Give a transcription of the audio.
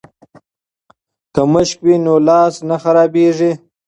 که مشق وي نو لاس نه خرابیږي.